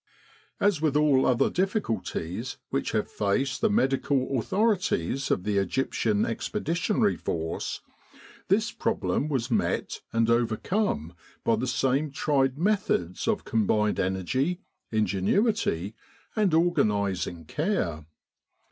As with all other difficulties which have faced the medical authorities of the Egyptian Expeditionary Force, this problem was met and overcome by the same tried methods of combined energy, ingenuity, and organising care.